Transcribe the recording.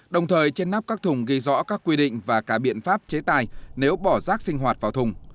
đồng thời trên nắp các thùng ghi rõ các quy định và cả biện pháp chế tài nếu bỏ rác sinh hoạt vào thùng